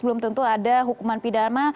belum tentu ada hukuman pidana